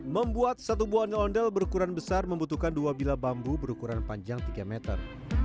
membuat satu buahnya ondel berukuran besar membutuhkan dua bila bambu berukuran panjang tiga meter